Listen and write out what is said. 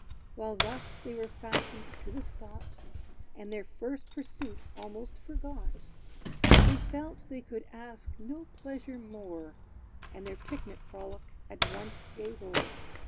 While thus they were fastened to the spot, And their first pursuit almost forgot, They felt they could ask no pleasure more, And their picnic frolic at once gave o'er.